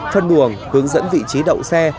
phân buồng hướng dẫn vị trí đậu xe